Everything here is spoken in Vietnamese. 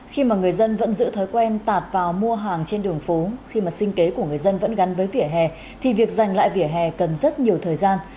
khi mà người dân vẫn giữ thói quen tạt vào mua hàng trên đường phố khi mà sinh kế của người dân vẫn gắn với vỉa hè thì việc giành lại vỉa hè cần rất nhiều thời gian